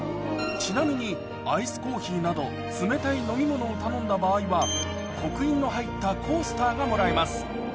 ちなみにアイスコーヒーなどを頼んだ場合は刻印の入ったコースターがもらえます